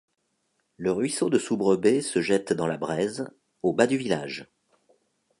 Le ruisseau de Subrebet se jette dans la Brèze, au bas du village.